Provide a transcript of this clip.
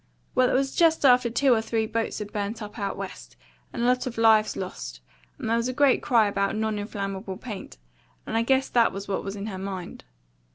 Well, it was just after two or three boats had burnt up out West, and a lot of lives lost, and there was a great cry about non inflammable paint, and I guess that was what was in her mind.